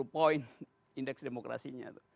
dua puluh poin indeks demokrasinya